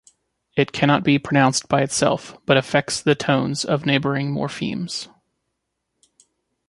It cannot be pronounced by itself, but affects the tones of neighboring morphemes.